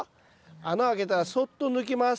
穴開けたらそっと抜きます。